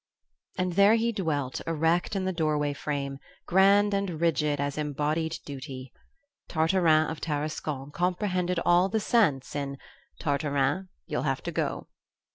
And there he dwelt, erect in the doorway frame, grand and rigid as embodied Duty. Tartarin of Tarascon comprehended all the sense in "Tartarin, you'll have to ago!"